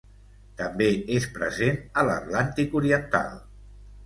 També és present a l'Atlàntic oriental.